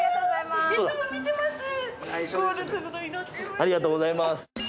ありがとうございます。